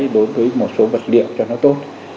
đối với một số vật liệu cho nó tốt